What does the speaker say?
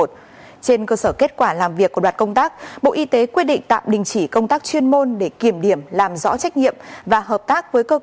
trên cơ sở kết quả làm việc của đoàn công tác